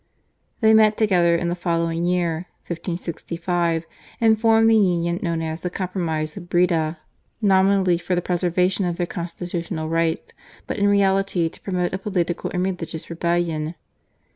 They met together in the following year (1565) and formed the union known as the Compromise of Breda, nominally for the preservation of their constitutional rights but in reality to promote a political and religious rebellion.